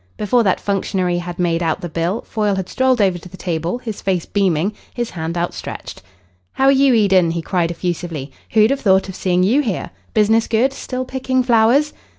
Before that functionary had made out the bill Foyle had strolled over to the table, his face beaming, his hand outstretched. "How are you, Eden?" he cried effusively. "Who'd have thought of seeing you here! Business good? Still picking flowers?"